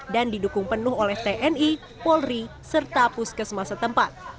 dan didukung penuh oleh tni polri serta puskesmas setempat